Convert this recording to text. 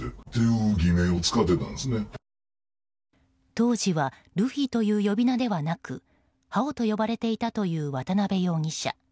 当時はルフィという呼び名ではなくハオと呼ばれていたという渡辺容疑者。